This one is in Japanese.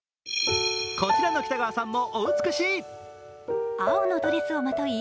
こちらの北川さんもお美しい。